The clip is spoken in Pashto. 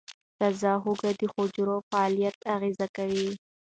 تازه هوږه د حجرو پر فعالیت اغېز کوي.